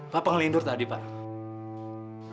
bapak ngelindur tadi pak